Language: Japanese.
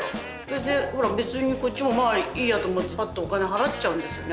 でほら別にこっちもまあいいやと思ってパッとお金払っちゃうんですよね。